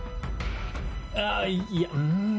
あぁいやうん。